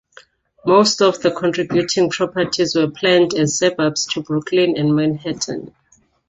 Most of the contributing properties were planned as suburbs to Brooklyn and Manhattan.